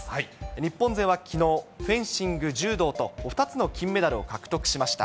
日本勢はきのう、フェンシング、柔道と２つの金メダルを獲得しました。